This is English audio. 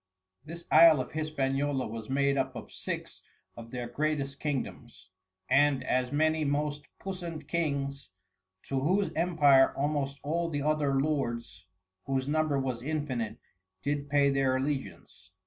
This Isle of Hispaniola was made up of Six of their greatest Kingdoms, and as many most Puissant Kings, to whose Empire almost all the other Lords, whose Number was infinite, did pay their Allegiance.